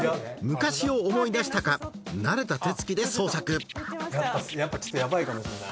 昔を思い出したか慣れた手つきで捜索やっぱちょっとやばいかもしんない。